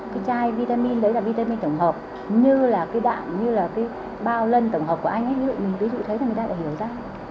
cái chai vitamin đấy là vitamin trường hợp như là cái đạm như là cái bao lân trường hợp của anh ấy như vậy mình ví dụ thế thì người ta lại hiểu ra